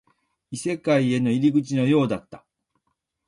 異世界への入り口のようだった